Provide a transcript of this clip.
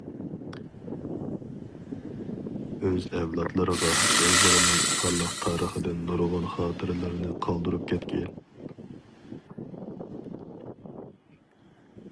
ئۆز ئەۋلادلىرىغا ئۆزلىرىنىڭ پارلاق تارىخىدىن نۇرغۇن خاتىرىلەرنى قالدۇرۇپ كەتكەن.